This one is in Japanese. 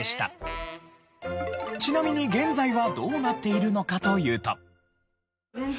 ちなみに現在はどうなっているのかというと。